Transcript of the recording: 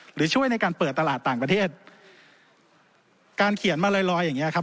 ช่วยในการเปิดตลาดต่างประเทศการเขียนมาลอยลอยอย่างเงี้ครับ